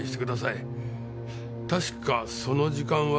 確かその時間は。